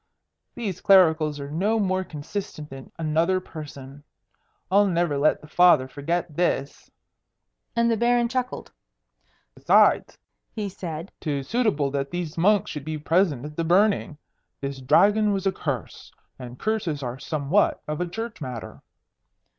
These clericals are no more consistent than another person. I'll never let the Father forget this." And the Baron chuckled. "Besides," he said, "'tis suitable that these monks should be present at the burning. This Dragon was a curse, and curses are somewhat of a church matter."